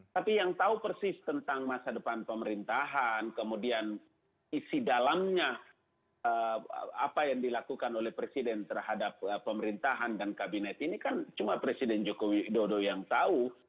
tapi yang tahu persis tentang masa depan pemerintahan kemudian isi dalamnya apa yang dilakukan oleh presiden terhadap pemerintahan dan kabinet ini kan cuma presiden joko widodo yang tahu